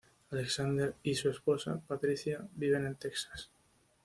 Alexander Y su esposa, Patricia, viven en Texas.